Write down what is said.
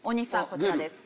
こちらです。